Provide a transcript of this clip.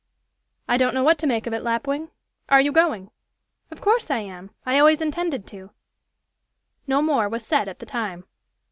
"I don't know what to make of it, Lapwing. Are you going?" "Of course I am; I always intended to." No more was said at the time.